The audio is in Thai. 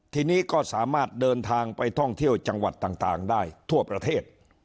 ทีนี้ก็สามารถเดินทางไปท่องเที่ยวจังหวัดต่างได้ทั่วประเทศ